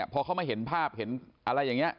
พอเขามาเห็นภาพเห็นอะไรอย่างนี้